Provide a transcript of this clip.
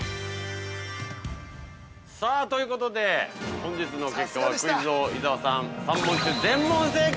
◆さあ、ということで本日の結果はクイズ王・伊沢さん３問中全問正解！